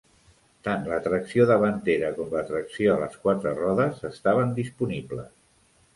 Tant la tracció davantera com la tracció a les quatre rodes estaven disponibles.